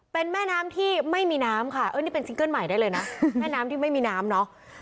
เป็นแม่น้ำที่ไม่มีน้ำค่ะเออนี่เป็นซิงเกิ้ลใหม่ได้เลยนะแม่น้ำที่ไม่มีน้ำเนาะ